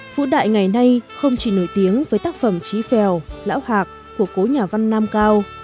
vũ đại ngày nay không chỉ nổi tiếng với tác phẩm trí phèo lão hạc của cố nhà văn nam cao